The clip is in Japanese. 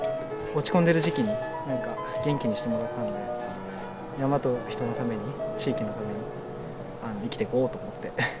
落ち込んでる時期になんか元気にしてもらったんで山と人のために地域のために生きていこうと思って。